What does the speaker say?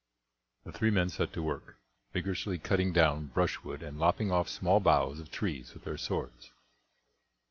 The three men set to work, vigourously cutting down brushwood and lopping off small boughs of trees with their swords.